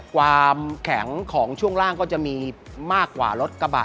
ความแข็งของช่วงล่างก็จะมีมากกว่ารถกระบะ